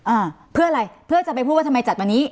อ่าเพื่ออะไรเพื่อจะไปพูดว่าทำไมจัดวันนี้